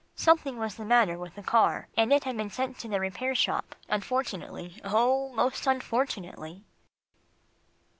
Something was the matter with the car, and it had been sent to the repair shop, unfortunately, oh! most unfortunately.